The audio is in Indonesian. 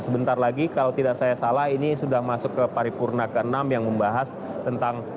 sebentar lagi kalau tidak saya salah ini sudah masuk ke paripurna ke enam yang membahas tentang